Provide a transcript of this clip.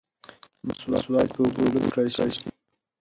مسواک باید په اوبو لوند کړل شي.